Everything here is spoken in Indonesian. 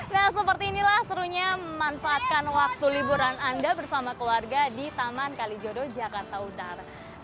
nah seperti inilah serunya memanfaatkan waktu liburan anda bersama keluarga di taman kalijodo jakarta utara